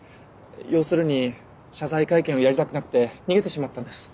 要するに謝罪会見をやりたくなくて逃げてしまったんです。